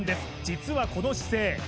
実はこの姿勢